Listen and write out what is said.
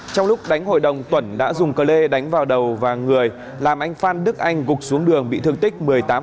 trong lúc đánh hội đồng tuẩn đã dùng cờ lê đánh vào đầu và người làm anh phan đức anh gục xuống đường bị thương tích một mươi tám